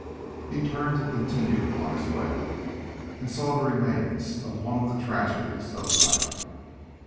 He turned to continue on his way, and saw the remains of one of the tragedies of the night.